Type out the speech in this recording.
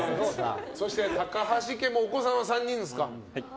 そして、高橋家もお子さんは３人ですか。